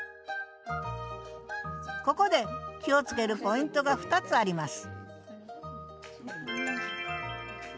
ここで気をつけるポイントが２つあります